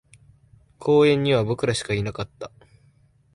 公園には僕らしかいなかった